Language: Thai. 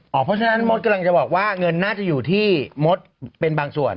เพราะฉะนั้นมดกำลังจะบอกว่าเงินน่าจะอยู่ที่มดเป็นบางส่วน